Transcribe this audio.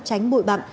tránh bụi bặm